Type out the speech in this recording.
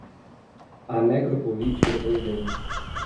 A necropolítica do presidente